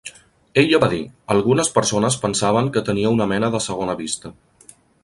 Ella va dir: Algunes persones pensaven que tenia una mena de segona vista.